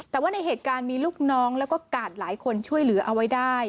แต่ว่าในเหตุการณ์มีลูกน้องแล้วก็กาดหลายคนช่วยเหลือเอาไว้ได้